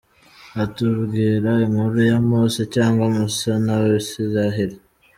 Hatubwiira inkuru ya Mose cyangwa Musa n’abisiraheri.